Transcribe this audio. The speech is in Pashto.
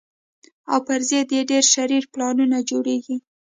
او پر ضد یې ډېر شرير پلانونه جوړېږي